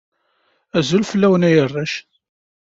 Azul fellawen a arrac